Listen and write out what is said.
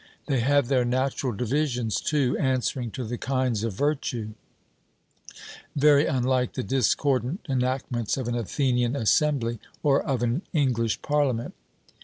They have their natural divisions, too, answering to the kinds of virtue; very unlike the discordant enactments of an Athenian assembly or of an English Parliament.